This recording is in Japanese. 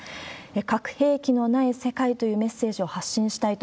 核兵器のない世界というメッセージを発信したいと。